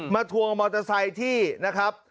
ทวงมอเตอร์ไซค์ที่นะครับ